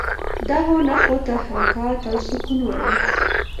دغو نښو ته حرکات او سکون وايي.